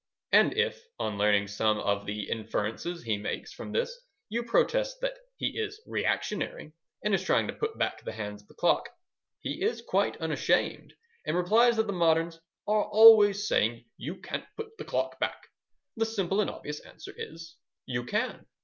And if, on learning some of the inferences he makes from this, you protest that he is reactionary, and is trying to put back the hands of the clock, he is quite unashamed, and replies that the moderns "are always saying 'you can't put the clock back.' The simple and obvious answer is, 'You can.'